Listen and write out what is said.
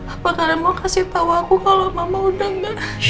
apa kalian mau kasih tau aku kalau mama udah nggak